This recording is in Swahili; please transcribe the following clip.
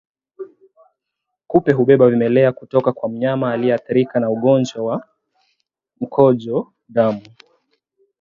Kupe hubeba vimelea kutoka kwa mnyama aliyeathirika na ugonjwa wa mkojo damu